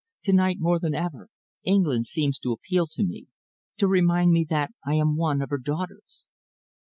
To night more than ever England seems to appeal to me, to remind me that I am one of her daughters."